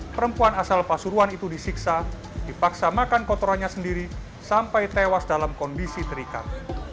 perempuan asal pasuruan itu disiksa dipaksa makan kotorannya sendiri sampai tewas dalam kondisi terikat